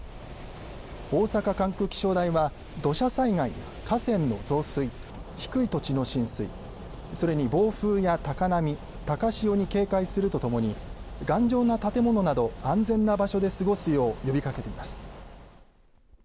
大阪管区気象台は土砂災害や河川の増水、低い土地の浸水、それに暴風や高波、高潮に警戒するとともに頑丈な建物など安全な場所で過ごすよう呼びかけています。